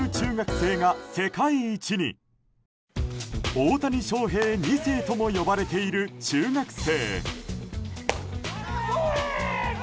大谷翔平２世とも呼ばれている中学生。